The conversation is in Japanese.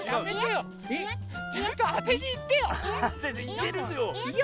ちゃんとあてにいってよ。